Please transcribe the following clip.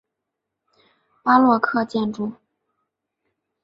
巴洛克建筑。